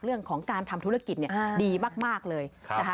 เรื่องของการทำธุรกิจเนี่ยดีมากเลยนะคะ